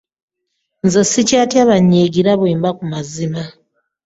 Nze ssikyatya bannyiigira bwe mba ku mazima.